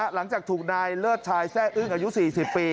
หลังจากถูกนายเลิศชายแร่อึ้งอายุ๔๐ปี